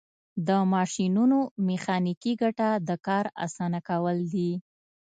د ماشینونو میخانیکي ګټه د کار اسانه کول دي.